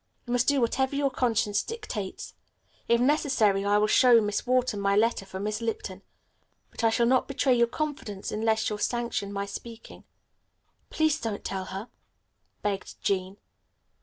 You must do whatever your conscience dictates. If necessary I will show Miss Wharton my letter from Miss Lipton, but I shall not betray your confidence unless you sanction my speaking." "Please don't tell her," begged Jean.